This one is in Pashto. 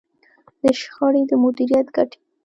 د شخړې د مديريت ګټې.